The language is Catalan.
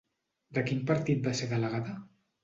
De quin partit va ser delegada?